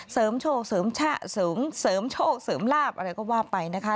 เสริมโชคเสริมชะเสริมเสริมโชคเสริมลาบอะไรก็ว่าไปนะคะ